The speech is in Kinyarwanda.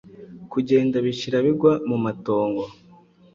Kugenda bishirabigwa mu matongo